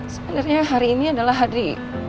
sebenarnya hari ini adalah hari